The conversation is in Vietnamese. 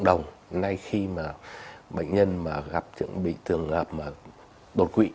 đồng nay khi mà bệnh nhân mà gặp những bị tường hợp mà đột quỵ